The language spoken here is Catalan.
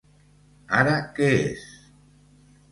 Ara què és?